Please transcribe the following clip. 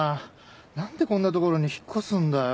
なんでこんな所に引っ越すんだよ。